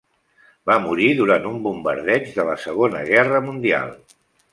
Va morir durant un bombardeig de la Segona Guerra Mundial.